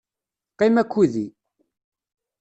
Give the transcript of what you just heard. Qqim akked-i.